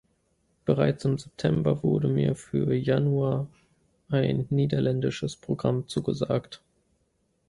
Bereits im September wurde mir für Januar ein niederländisches Programm zugesagt.